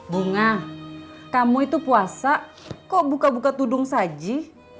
bunga kamu itu puasa kok buka buka tudung saji